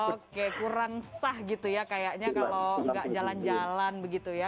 oke kurang sah gitu ya kayaknya kalau nggak jalan jalan begitu ya